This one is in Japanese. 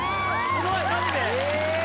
すごいマジで？